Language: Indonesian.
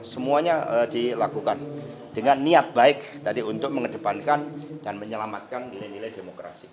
semuanya dilakukan dengan niat baik tadi untuk mengedepankan dan menyelamatkan nilai nilai demokrasi